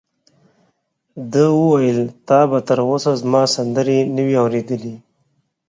ده وویل: تا به تر اوسه زما سندرې نه وي اورېدلې؟